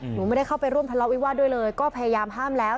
หนูไม่ได้เข้าไปร่วมทะเลาะวิวาสด้วยเลยก็พยายามห้ามแล้ว